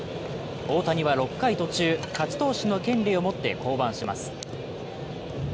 大谷は６回途中、勝ち投手の権利を持って降板します。